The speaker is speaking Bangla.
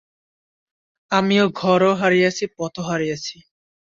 আমি ঘরও হারিয়েছি, পথও হারিয়েছি।